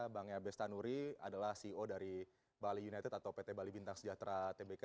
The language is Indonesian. bang abesta nuri adalah ceo dari bali united atau pt bali bintang sejahtera tbk